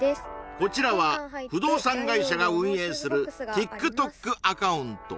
こちらは不動産会社が運営するＴｉｋＴｏｋアカウント